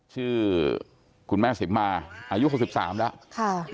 ชื่อคุณแม่สิมมาอายุ๖๓แล้ว